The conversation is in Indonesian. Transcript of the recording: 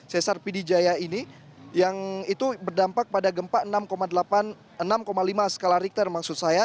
sesar pidijaya ini yang itu berdampak pada gempa enam lima skala richter maksud saya